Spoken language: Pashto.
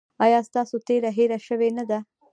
ایا ستاسو تیره هیره شوې نه ده؟